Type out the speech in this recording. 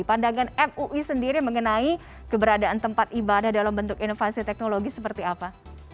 pandangan mui sendiri mengenai keberadaan tempat ibadah dalam bentuk inovasi teknologi seperti apa